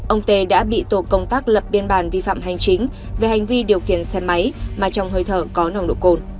ông t đã bị tổ công tác lập biên bản vi phạm hành chính về hành vi điều kiện xe máy mà trong hơi thở có nồng độ côn